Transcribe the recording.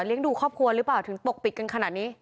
ดูครอบครัวหรือเปล่าถึงปกปิดกันขนาดนี้